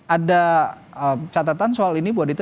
ada catatan soal ini bu adita